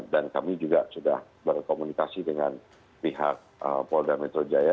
kami juga sudah berkomunikasi dengan pihak polda metro jaya